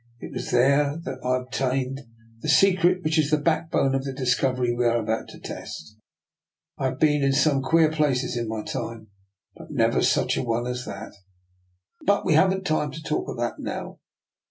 It was there I obtained the secret which is the backbone of the discovery we are about to test. I have been in some queer places in my time, but never such a one 154 I>R NIKOLA'S EXPERIMENT. as that. But we haven't time to talk of that now.